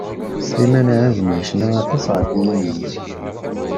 Sliman Azem yecna aṭas ɣef yinig.